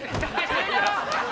終了！